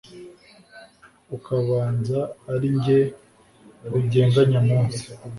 Ukabanza ari jye ugenga Nyamunsi,